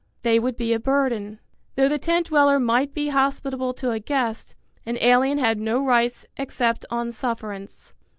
They would be a burden. Though the tent dweller might be hospitable to a guest, an alien had no rights except on sufferance.